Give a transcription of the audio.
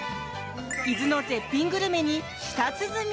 伊豆の絶品グルメに舌鼓。